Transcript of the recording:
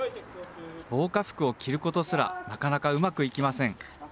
防火服を着ることすら、なかなかうまくいきません。